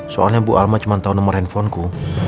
soalnya bu alma cuma tau nomor handphone ku